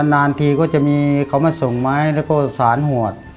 นานทีก็จะมีเขามาส่งไม้แล้วก็สารหวด